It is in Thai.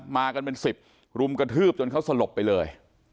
มากันเป็น๑๐รุมกระทืบจนเขาสลบไปเลย